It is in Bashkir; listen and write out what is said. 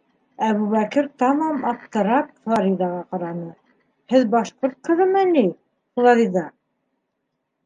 - Әбүбәкер тамам аптырап Флоридаға ҡараны. - һеҙ башҡорт ҡыҙымы ни, Флорида?!